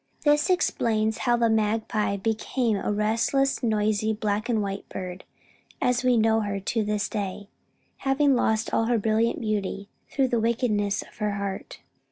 This explains how the Magpie became a restless, noisy, black and white bird as we know her to this day, having lost all her brilliant beauty through the wickedness of her heart.